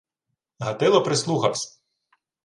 Гатило прислухавсь.